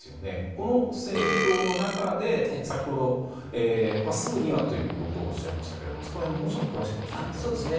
この戦況の中で先ほど、すぐにはということをおっしゃいましたけれどもそこら辺をもうちょっと詳しく教えていただけますか。